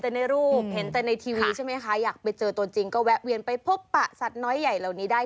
แต่ตัวจริงก็แวะเวียนไปพบประสัตว์น้อยใหญ่เหล่านี้ได้